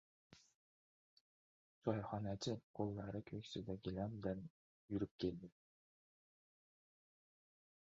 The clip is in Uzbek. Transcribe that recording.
Choyxonachi qo‘llari ko‘ksida gilamdan yurib keldi.